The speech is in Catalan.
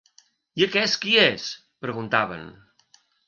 I aquest qui és, preguntaven?